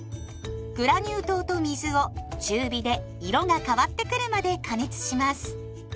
グラニュー糖と水を中火で色が変わってくるまで加熱します。